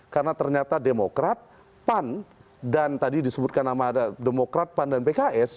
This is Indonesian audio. karena ternyata demokrat pan dan tadi disebutkan nama ada demokrat pan dan pks